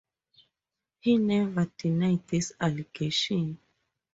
He never denied this allegation.